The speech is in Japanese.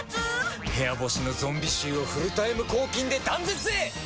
部屋干しのゾンビ臭をフルタイム抗菌で断絶へ！